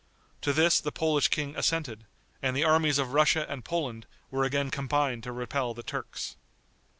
To this the Polish king assented, and the armies of Russia and Poland were again combined to repel the Turks.